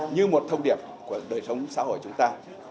như một thông điệp của đời sống xã hội chúng ta